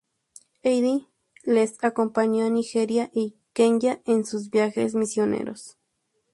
Heidi les acompañó a Nigeria y Kenya en sus viajes misioneros.